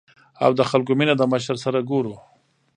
او د خلکو مينه د مشر سره ګورو ـ